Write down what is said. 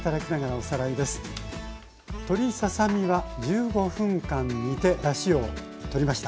鶏ささ身は１５分間煮てだしをとりました。